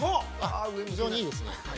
非常にいいですね。